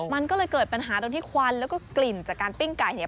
มันก็เลยเกิดปัญหาตรงที่ควันแล้วก็กลิ่นจากการปิ้งไก่เนี่ย